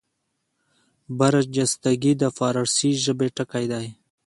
برجستګي د فاړسي ژبي ټکی دﺉ.